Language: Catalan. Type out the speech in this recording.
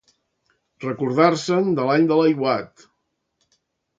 Recordar-se'n de l'any de l'aiguat.